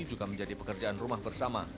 juga menjadi pekerjaan rumah bersama